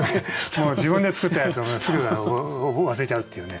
もう自分で作ったやつをすぐ忘れちゃうっていうね。